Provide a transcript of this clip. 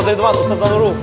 ustazah itu banget ustazah dulu